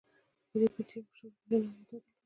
په دې بودجه مو شل میلیونه عایدات درلودل.